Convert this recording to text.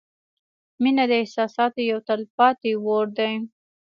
• مینه د احساساتو یو تلپاتې اور دی.